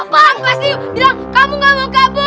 bang pasti bilang kamu gak mau kabur